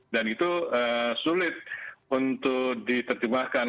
dan itu sulit untuk diterjemahkan